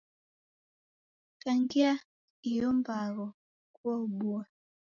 Kangia iyo mbagho kuwaobua.